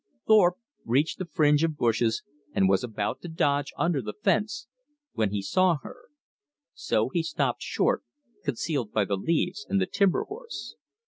Thorpe reached the fringe of bushes, and was about to dodge under the fence, when he saw her. So he stopped short, concealed by the leaves and the timber horse.